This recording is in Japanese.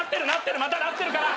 またなってるから！